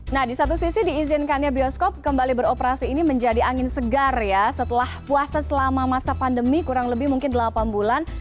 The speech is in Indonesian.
nah di satu sisi diizinkannya bioskop kembali beroperasi ini menjadi angin segar ya setelah puasa selama masa pandemi kurang lebih mungkin delapan bulan